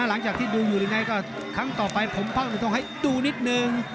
หลังจากที่ดูอยู่หรือไงก็ครั้งต่อไปผมเพาะให้ดูนิดนึง